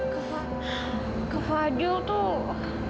kak fadil tuh